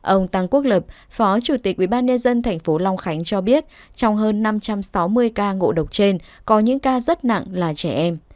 ông tăng quốc lập phó chủ tịch ủy ban nhân dân tp long khánh cho biết trong hơn năm trăm sáu mươi ca ngộ độc trên có những ca rất nặng là trẻ em